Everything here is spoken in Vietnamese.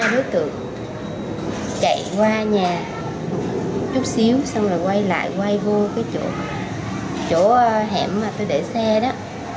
đối tượng chạy qua nhà chút xíu xong rồi quay lại quay vô cái chỗ hẻm mà tôi để xe đó